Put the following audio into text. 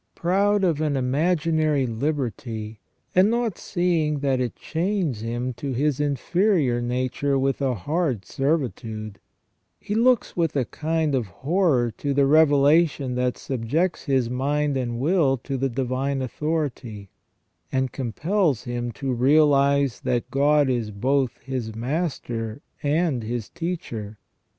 Proud of an imaginary liberty, and not seeing that it chains him to his inferior nature with a hard servitude, he looks with a kind of horror to a revelation that subjects his mind and will to the divine authority, and compels him to realise that God is both his master and his teacher.